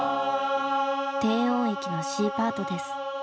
低音域のＣパートです。